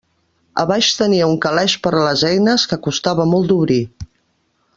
A baix tenia un calaix per a les eines, que costava molt d'obrir.